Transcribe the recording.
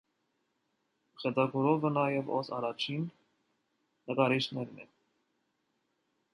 Խեթագուրովը նաև օս առաջին նկարիչներից է։